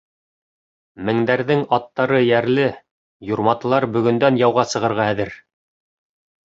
Меңдәрҙең аттары эйәрле, юрматылар бөгөндән яуға сығырға әҙер.